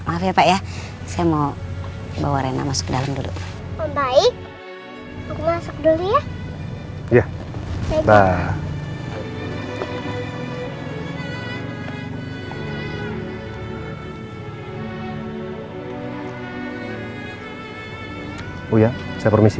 maaf ya pak ya saya mau bawa rena masuk dalam dulu baik baik masuk dulu ya iya bye bye bye